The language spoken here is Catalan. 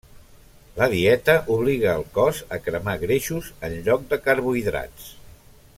La dieta obliga el cos a cremar greixos en lloc de carbohidrats.